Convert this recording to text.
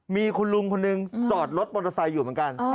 มีคุณลุงคนหนึ่งจอดรถมอเตอร์ไซค์อยู่เหมือนกัน